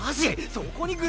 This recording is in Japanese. そこにグレ！？